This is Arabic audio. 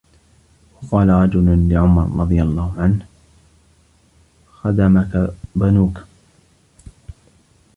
وَقَالَ رَجُلٌ لِعُمَرَ رَضِيَ اللَّهُ عَنْهُ خَدَمَك بَنُوك